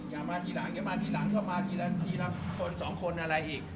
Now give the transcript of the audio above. อย่ามาทีหลังอย่ามาทีหลังก็มาทีละทีละคนสองคนอะไรอีก